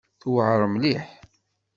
Tuɛeṛ mliḥ.